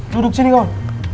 duduk sini kawan